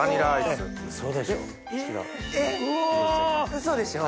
ウソでしょ？